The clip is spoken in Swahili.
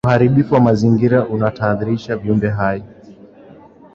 Uharibifu wa mazingira unahatarisha viumbe hai